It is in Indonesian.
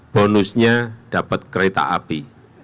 bonusnya dapat kereta api